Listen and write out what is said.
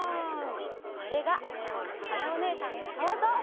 これがきょうのまやおねえさんのそうぞう！